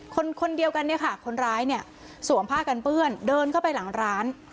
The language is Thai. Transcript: คนคนเดียวกันเนี่ยค่ะคนร้ายเนี่ยสวมผ้ากันเปื้อนเดินเข้าไปหลังร้าน